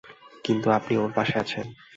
কিন্তু, আপনি ওর পাশে আছেন।